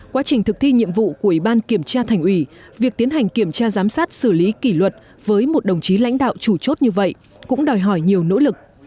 quá trình thực thi nhiệm vụ của ủy ban kiểm tra thành ủy việc tiến hành kiểm tra giám sát xử lý kỷ luật với một đồng chí lãnh đạo chủ chốt như vậy cũng đòi hỏi nhiều nỗ lực